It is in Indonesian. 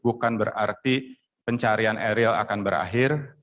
bukan berarti pencarian ariel akan berakhir